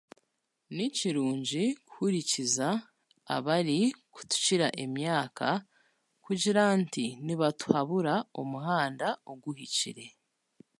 Ni kirungi kuhurikiriza abarikutukira emyaka kugira nti, nibatuhabura omuhanda ohuhikire